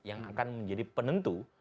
yang akan menjadi penentu